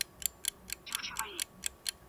کندهار ولي د پلازمېنې په توګه غوره سو؟